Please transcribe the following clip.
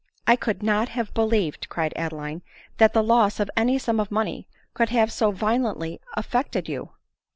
" I could not have believed," cried Adeline, " that the loss of any sum of money could have so violently affect ed you."